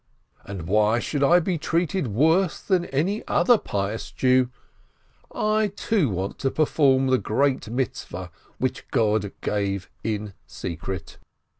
"And why should I be treated worse than any other pious Jew? I, too, want to try to perform the great commandment which God gave in secret.